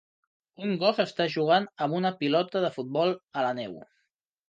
Un gos està jugant amb una pilota de futbol a la neu.